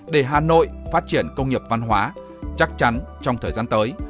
để hà nội phát triển công nghiệp văn hóa chắc chắn trong thời gian tới